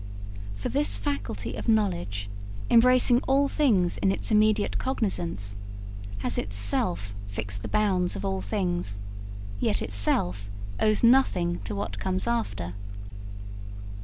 For this faculty of knowledge, embracing all things in its immediate cognizance, has itself fixed the bounds of all things, yet itself owes nothing to what comes after.